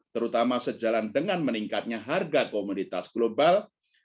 terutama sejalan dengan meningkatnya harga komoditas global